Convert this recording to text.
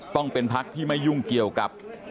ต้องเป็นพักที่ไม่ยุ่งเกี่ยวกับ